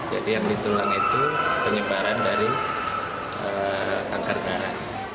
jadi yang ditulang itu penyebaran dari angkar darah